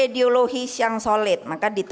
jangan gimana makasih